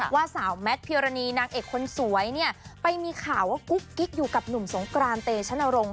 ว่าสาวแมทพิวรณีนางเอกคนสวยเนี่ยไปมีข่าวว่ากุ๊กกิ๊กอยู่กับหนุ่มสงกรานเตชนรงค